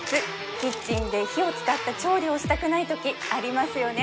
キッチンで火を使った調理をしたくないときありますよね